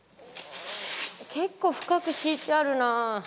結構深く敷いてあるなあ。